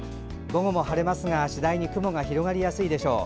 午後も晴れますが、次第に雲が広がりやすくなるでしょう。